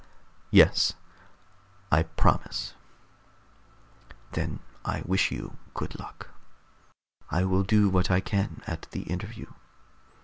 "Yes, I promise." "Then I wish you good luck. I will do what I can at the interview.